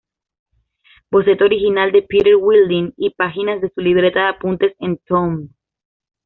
Boceto original de Peter Wilding y páginas de su libreta de apuntes en Tumblr.